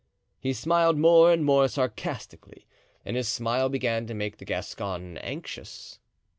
He smiled more and more sarcastically and his smile began to make the Gascon anxious.